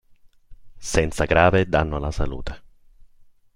Senza grave danno alla salute.